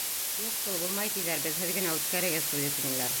Юҡ шул, булмай, тиҙәр, беҙһеҙ генә үткәрегеҙ туйҙы, тинеләр.